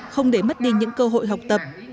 không để mất đi những cơ hội học tập